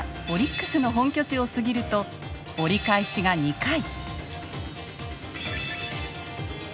オリックスの本拠地を過ぎると折り返しが２回。